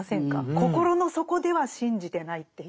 心の底では信じてないっていう。